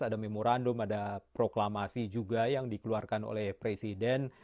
ada memorandum ada proklamasi juga yang dikeluarkan oleh presiden